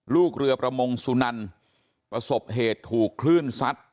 ลูกเรือประมงสุนันประสบเหตุถูกคลื่นซัด